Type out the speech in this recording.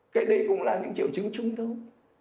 cái đấy cũng là những triệu chứng chung thôi